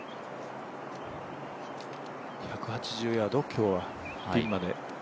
１８０ヤード、今日はピンまで。